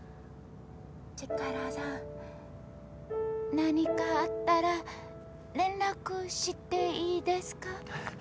チカラさん何かあったら連絡していいですか？